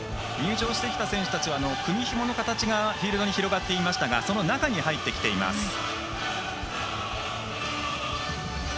入場してきた選手たちは組みひもの形がフィールドに広がっていましたがその中に入ってきています。